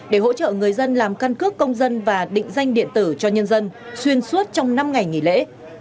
để hỗ trợ người dân làm căn cước công dân và định danh điện tử cho nhân dân xuyên suốt trong năm ngày nghỉ lễ